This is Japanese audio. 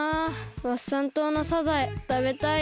ワッサン島のサザエたべたいよ。